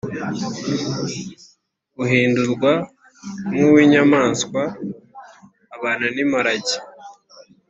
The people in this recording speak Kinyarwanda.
uhindurwa nk uw inyamaswa abana n imparage